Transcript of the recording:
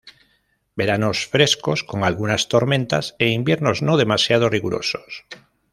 Veranos frescos, con algunas tormentas, e inviernos no demasiados rigurosos.